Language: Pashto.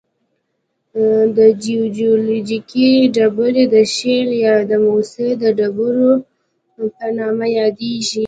دا جیولوجیکي ډبرې د شیل یا د موسی د ډبرو په نامه یادیږي.